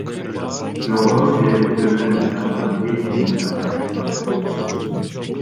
Жогору же төмөн жактан эч нерсе айтылган эмес.